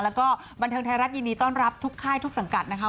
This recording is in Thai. แล้วก็บันเทิงไทยรัฐยินดีต้อนรับทุกค่ายทุกสังกัดนะคะ